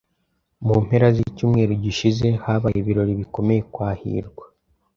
Mu mpera zicyumweru gishize habaye ibirori bikomeye kwa hirwa.